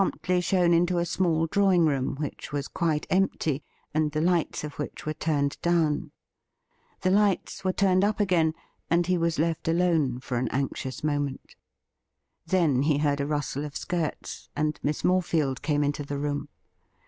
He was promptly shown into a small drawing room, which was quite empty, and the lights of which were turned down. The lights were turned up again, and he was left alone for an anxious moment. Then he heard a rustle of skirts, and Miss Morefield came into the room.